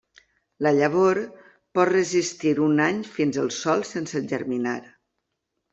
La llavor pot resistir un any dins el sòl sense germinar.